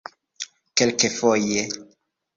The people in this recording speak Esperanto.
kelkfoje